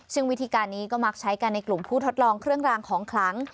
ซึ่งวิธีการนี้ก็มักใช้กันในกลุ่มผู้ทดลองเครื่องรางของขลัง